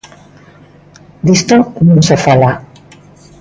Disto no se fala.